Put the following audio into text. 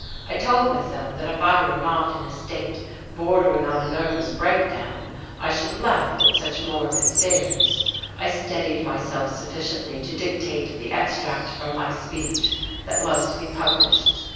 I told myself that if I were not in a state bordering on a nervous breakdown, I should laugh at such morbid fears, I steadied myself sufficiently to dictate the extract from my speech that was to be published.